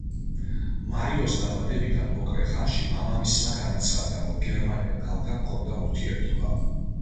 მარიოს დაბადებიდან მოკლე ხანში მამამისმა განაცხადა, რომ გერმანელ ქალთან ჰქონდა ურთიერთობა.